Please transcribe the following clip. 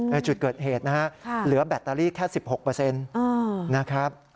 ในจุดเกิดเหตุนะฮะเหลือแบตเตอรี่แค่๑๖นะครับ